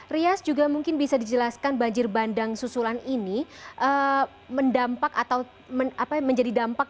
rias juga mungkin bisa dijelaskan banjir bandang susulan ini mendampak atau menjadi dampak